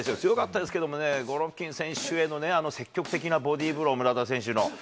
強かったですけれどもね、ゴロフキン選手へのあの積極的なボディブロー、村田選手の。